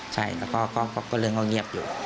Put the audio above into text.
ใช่เราก็เริ่มเอ่งเงียบอยู่